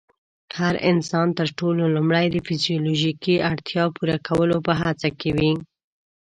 هر انسان تر ټولو لومړی د فزيولوژيکي اړتیا پوره کولو په هڅه کې وي.